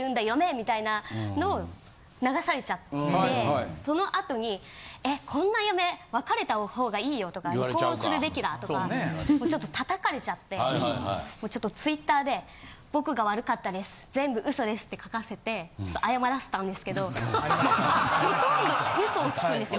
みたいなのを流されちゃってその後に「えっこんな嫁別れた方がいいよ」とか「離婚するべきだ」とかちょっと叩かれちゃってツイッターで「僕が悪かったです。全部ウソです」って書かせて謝らせたんですけどほとんどウソをつくんですよ。